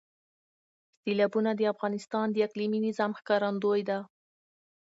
سیلابونه د افغانستان د اقلیمي نظام ښکارندوی ده.